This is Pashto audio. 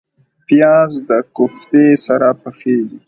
پیاز د کوفتې سره پخیږي